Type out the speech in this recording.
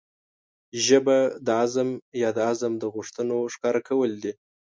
ژبه د عزم يا د عزم د غوښتنو ښکاره کول دي.